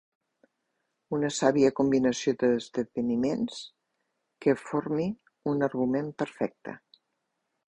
Una sàvia combinació d'esdeveniments que formi un argument perfecte.